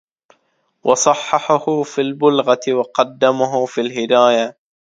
وَصَحَّحَهُ فِي الْبُلْغَةِ وَقَدَّمَهُ فِي الْهِدَايَةِ